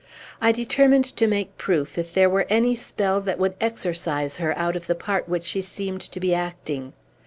I determined to make proof if there were any spell that would exorcise her out of the part which she seemed to be acting.